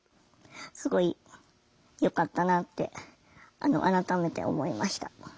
すごいよかったなって改めて思いました。